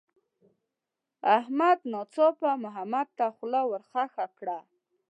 احمد ناڅاپه محمد ته خوله ورخښه کړه.